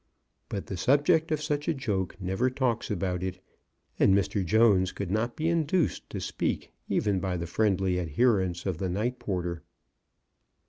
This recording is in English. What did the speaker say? But the subject of such a joke never talks about it, and Mr. Jones could not be in duced to speak even by the friendly adherence of the night porter.